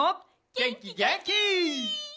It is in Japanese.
げんきげんき！